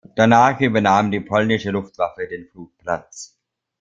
Danach übernahm die polnische Luftwaffe den Flugplatz.